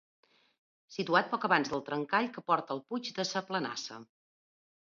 Situat poc abans del trencall que porta al puig de sa Planassa.